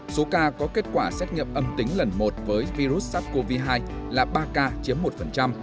số ca có kết quả xét nghiệm âm tính lần một với virus sars cov hai là ba ca chiếm một